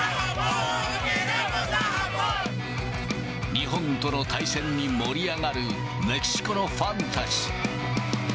日本との対戦に盛り上がるメキシコのファンたち。